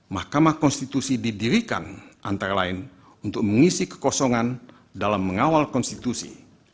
mahkamah konstitusi didirikan antara lain untuk mengisi kekosongan dalam mengawal konstitusi